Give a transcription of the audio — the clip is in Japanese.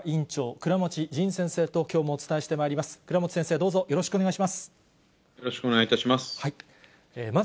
倉持先生、どうぞよろしくお願いします。